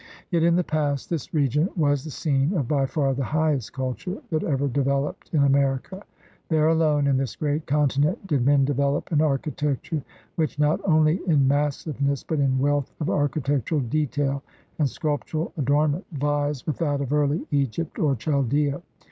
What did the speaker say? Yet in the past this region was the scene of by far the highest culture that ever developed in America. There alone in this great continent did men develop an architecture which, not only in massiveness but in wealth of architectural detail and sculptural adornment, vies with that of early Egypt or Chaldea.